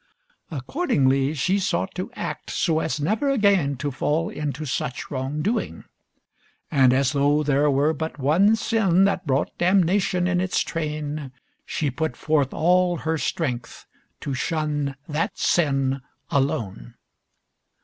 Accordingly she sought to act so as never again to fall into such wrongdoing; and as though there were but one sin that brought damnation in its train, she put forth all her strength to shun that sin alone.